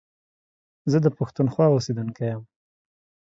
زه دا پښتونخوا اوسيدونکی يم.